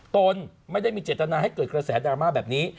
ตนไม่ได้มีเจตนาให้เกิดกระแสดราม่าแบบนี้